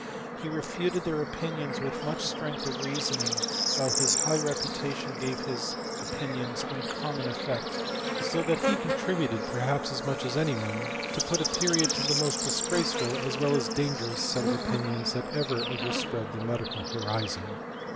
He refuted their opinions with much strength of rea soning, while his high reputation gave his opinions an uncommon effect ; so that he contributed perhaps as much as any one, to put a period to the most dis graceful, as well as dangerous, set of opinions that ever overspread the medical horizon.